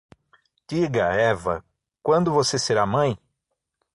Diga, Eva, quando você será mãe?